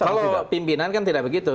kalau pimpinan tidak begitu